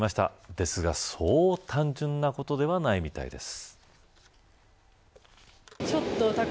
ですが、そう単純なことではないみたいです。